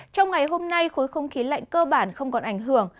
trong ngày hôm nay khối không khí lạnh cơ bản không còn ảnh hưởng